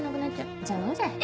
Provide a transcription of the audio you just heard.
じゃあ飲んじゃえ！